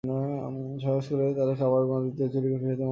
সাহস করে তারা খাবার ইত্যাদিও চুরি করে খেত মাঝে মাঝে।